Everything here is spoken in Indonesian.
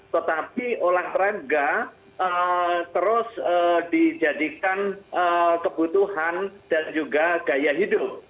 tetapi olahraga terus dijadikan kebutuhan dan juga gaya hidup